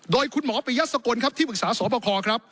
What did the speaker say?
โดยคุณหมอปริยัตรสกลที่ปรึกษาสอบคอ